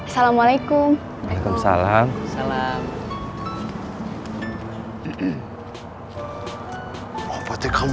sampai ketemu besok ya kang